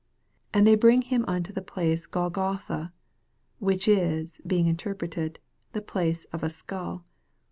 22 And they bring him unto the place Golgotha, which is, being inter preted, the place of a skull.